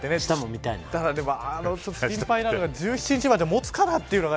心配なのが１７日まで持つかなというのが